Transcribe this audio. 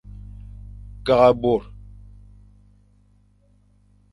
Kakh abôkh.